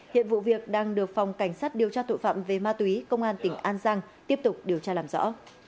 hiện vụ việc đang được phòng cảnh sát điều tra tội phạm về ma túy công an tỉnh an giang tiếp tục điều tra làm rõ